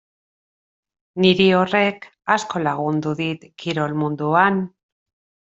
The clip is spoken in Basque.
Niri horrek asko lagundu dit kirol munduan.